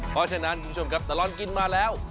เพราะฉะนั้นคุณผู้ชมครับตลอดกินมาแล้ว